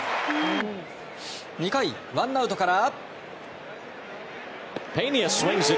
２回、ワンアウトから。